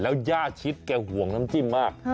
แล้วย่าชิดแกห่วงน้ำจิ้มมาก